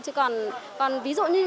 chứ còn ví dụ như